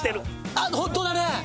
あっホントだね！